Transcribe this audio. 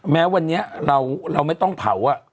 แม้วันนี้เราไม่ต้องเผา